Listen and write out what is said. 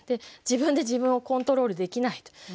自分で自分をコントロールできないと。